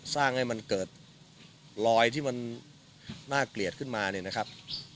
สร้างให้มันเกิดรอยที่มันน่าเกลียดขึ้นมาเนี่ยนะครับ